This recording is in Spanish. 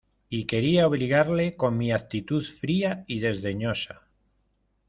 y quería obligarle con mi actitud fría y desdeñosa.